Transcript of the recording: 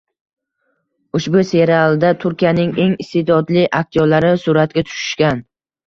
Ushbu serialda turkiyaning eng istedodli aktyorlari suratga tushishgan.